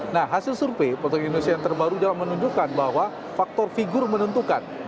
nah hasil survei potong indonesia yang terbaru juga menunjukkan bahwa faktor figur menentukan